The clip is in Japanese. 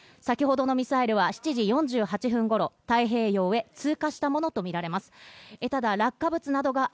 先ほどのミサイルは７時４８分頃、太平洋へ通過したものとみられます。